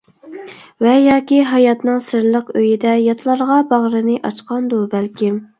ۋە ياكى ھاياتنىڭ سىرلىق ئۆيىدە، ياتلارغا باغرىنى ئاچقاندۇ بەلكىم.